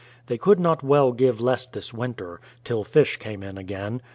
They could not well give less this winter, till fish came in again.